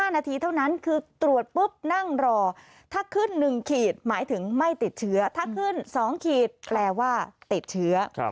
นาทีเท่านั้นคือตรวจปุ๊บนั่งรอถ้าขึ้น๑ขีดหมายถึงไม่ติดเชื้อถ้าขึ้น๒ขีดแปลว่าติดเชื้อ